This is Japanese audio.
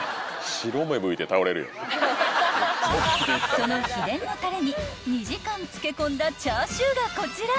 ［その秘伝のたれに２時間漬け込んだチャーシューがこちら］